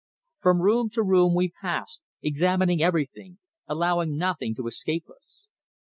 From room to room we passed, examining everything, allowing nothing to escape us.